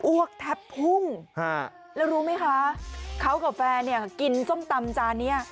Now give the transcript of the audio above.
วกแทบพุ่งฮะแล้วรู้ไหมคะเขากับแฟนเนี่ยกินส้มตำจานนี้